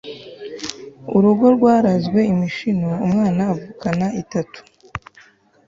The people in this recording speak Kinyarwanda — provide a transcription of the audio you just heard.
urugo rwarazwe imishino umwana avukana itanu